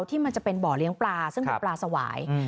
ที่มันจะเป็นบ่อเลี้ยงปลาซึ่งเป็นปลาสวาย